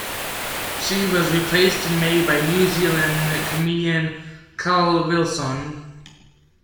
She was replaced in May by New Zealand comedian Cal Wilson.